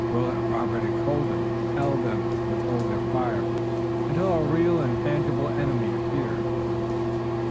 Willet, Robert and Colden compelled them to withhold their fire until a real and tangible enemy appeared.